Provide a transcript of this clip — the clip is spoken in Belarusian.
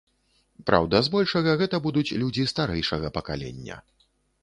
Праўда, збольшага гэта будуць людзі старэйшага пакалення.